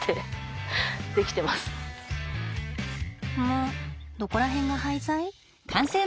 むっどこら辺が廃材？